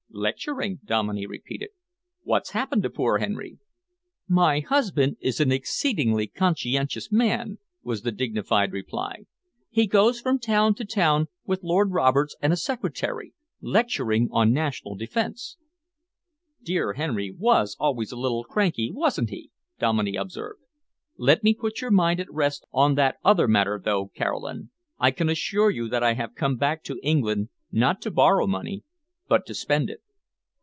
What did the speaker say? "Lecturing?" Dominey repeated. "What's happened to poor Henry?" "My husband is an exceedingly conscientious man," was the dignified reply. "He goes from town to town with Lord Roberts and a secretary, lecturing on national defence." "Dear Henry was always a little cranky, wasn't he?" Dominey observed. "Let me put your mind at rest on that other matter, though, Caroline. I can assure you that I have come back to England not to borrow money but to spend it."